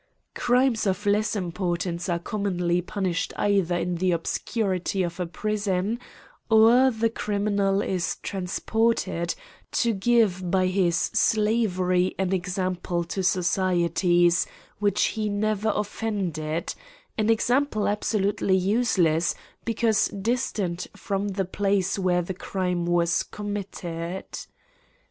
77 Crimes of less importance are commonly pu nished either in the obscurity of a prison, or the criminal is transported^ to give by his slavery an example to societies which he never offended ; an example absolutely useless, because distant from the place vi^here the crime was committed.